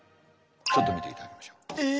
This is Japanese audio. ちょっと見ていただきましょう。